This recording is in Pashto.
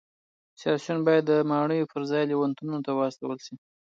سیاسیون باید د ماڼیو پرځای لېونتونونو ته واستول شي